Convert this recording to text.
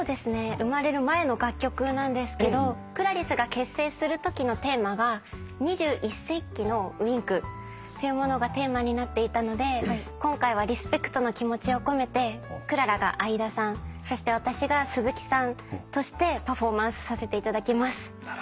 生まれる前の楽曲なんですけどＣｌａｒｉＳが結成するときのテーマが「２１世紀のＷｉｎｋ」っていうものがテーマになっていたので今回はリスペクトの気持ちを込めてクララが相田さんそして私が鈴木さんとしてパフォーマンスさせていただきます。